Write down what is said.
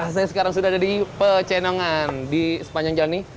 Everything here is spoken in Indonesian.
saya sekarang sudah ada di pecenongan di sepanjang jalan ini